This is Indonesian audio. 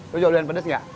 lo jualan pedes gak